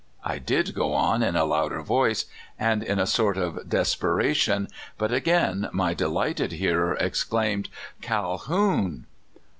I did go on in a louder voice, and in a sort of des peration ; but again my delighted hearer exclaimed : "Calhoun!